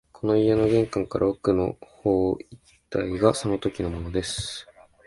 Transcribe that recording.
この家の玄関から奥の方一帯がそのときのものです